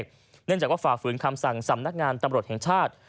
เนื่องจากว่าฝ่าฝืนคำสั่งสำนักงานตำรวจแห่งชาติ